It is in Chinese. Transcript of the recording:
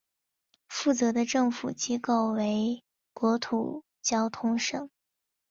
负责的政府机构为国土交通省。